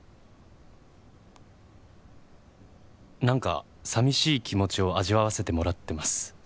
「なんか寂しい気持ちを味わわせてもらってます」